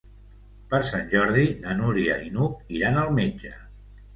Per Sant Jordi na Núria i n'Hug iran al metge.